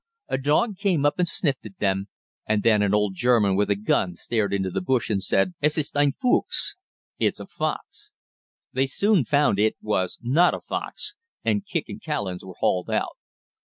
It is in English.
A dog came up and sniffed at them, and then an old German with a gun stared into the bush and said, "Es ist ein Fuchs" (It's a fox). They soon found it was not a fox, and Kicq and Callens were hauled out.